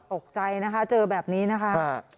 ตกใจนะคะเจอแบบนี้นะคะ